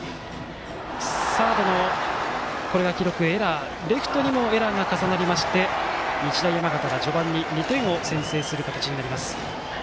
サードのエラーレフトにもエラーが重なって日大山形が序盤に２点を先制する形になります。